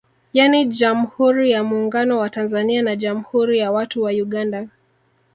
Yani Jammhuri ya Muungano wa Tanzania na Jammhuri ya watu wa Uganda